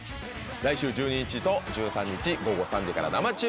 来週１２日と１３日午後３時から生中継。